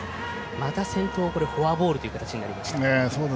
また先頭はフォアボールという形になりました。